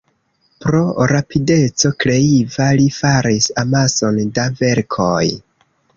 Pro rapideco kreiva li faris amason da verkoj.